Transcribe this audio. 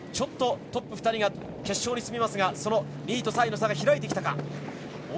トップ２人が決勝に進みますが２位と３位の差が開いてきたか。